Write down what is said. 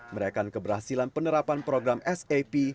merayakan keberhasilan penerapan program sap